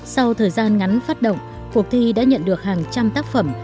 sau thời gian ngắn phát động cuộc thi đã nhận được hàng trăm tác phẩm